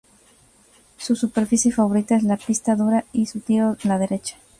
Su superficie favorita es la pista dura y su tiro la derecha.